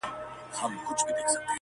پوهېده په ښو او بدو عاقلان سوه,